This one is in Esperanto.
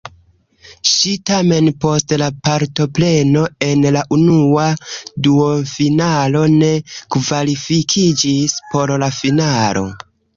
Ŝi tamen post la partopreno en la unua duonfinalo ne kvalifikiĝis por la finalo.